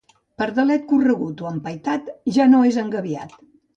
Pardalet corregut o empaitat ja no és engabiat.